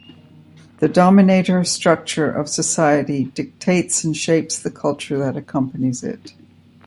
The dominator structure of society dictates and shapes the culture that accompanies it.